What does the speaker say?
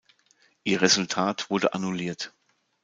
Ihr Resultat wurde annulliert.